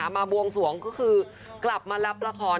บวงสวงก็คือกลับมารับละคร